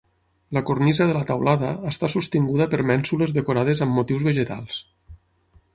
La cornisa de la teulada està sostinguda per mènsules decorades amb motius vegetals.